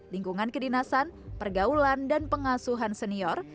lingkungan kedinasan pergaulan dan pengasuhan senior